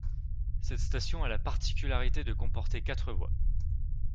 Cette station a la particularité de comporter quatre voies.